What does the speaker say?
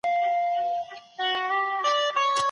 پښتو ژبه نه ده ورکه سوې.